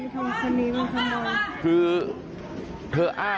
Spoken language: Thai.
สวัสดีครับคุณผู้ชาย